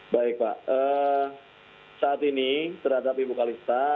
baik pak saat ini terhadap ibu kalista